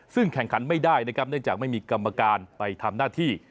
ซึ่งแข่งขันไม่ได้นะครับเนื่องจากไม่มีกรรมการไปทำหน้าที่